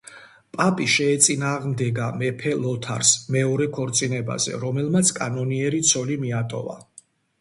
პაპი შეეწინააღმდეგა მეფე ლოთარს მეორე ქორწინებაზე, რომელმაც კანონიერი ცოლი მიატოვა.